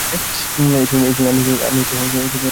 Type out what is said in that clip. এই ফিল্মে আমি চারবার মারা যাই।